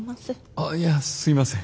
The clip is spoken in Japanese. あっいやすいません